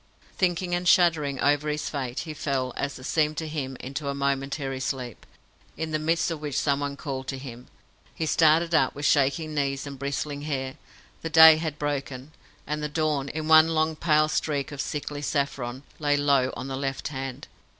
Thinking and shuddering over his fate, he fell as it seemed to him into a momentary sleep, in the midst of which someone called to him. He started up, with shaking knees and bristling hair. The day had broken, and the dawn, in one long pale streak of sickly saffron, lay low on the left hand.